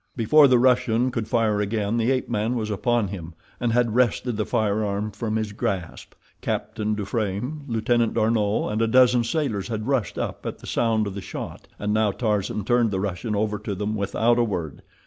Before the Russian could fire again the ape man was upon him and had wrested the firearm from his grasp. Captain Dufranne, Lieutenant D'Arnot, and a dozen sailors had rushed up at the sound of the shot, and now Tarzan turned the Russian over to them without a word.